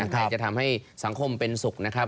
ใครจะทำให้สังคมเป็นสุขนะครับ